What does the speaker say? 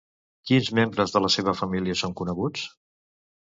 Quins membres de la seva família són coneguts?